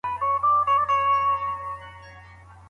مکروه طلاق هغه دی، چي د دوی تر منځ هيڅ مشکل نه وي.